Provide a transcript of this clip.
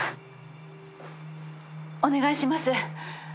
お願いします。